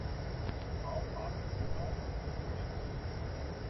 How far from Melbourne to Sydney?